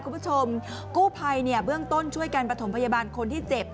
คุณผู้ชมกู้ภัยเนี่ยเบื้องต้นช่วยการประถมพยาบาลคนที่เจ็บ